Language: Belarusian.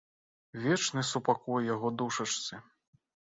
Вечны супакой яго душачцы!